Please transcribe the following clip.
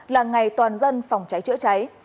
là ngày toàn dân phòng cháy trợ cháy